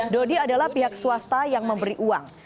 dodi adalah pihak swasta yang memberi uang